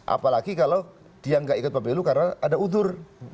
apalagi kalau dia nggak ikut pemilu karena ada udur